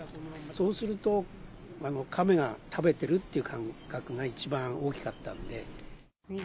そうすると、カメが食べてるって感覚が一番大きかったんで。